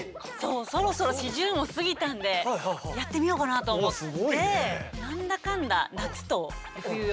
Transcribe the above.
そろそろ四十も過ぎたんでやってみようかなと思って何だかんだうわ